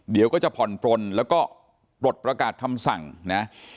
เดี๋ยวก็จะผ่อนปลนแล้วก็ปลดประกาศคำสั่งนะ